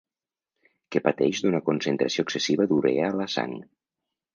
Que pateix d'una concentració excessiva d'urea a la sang.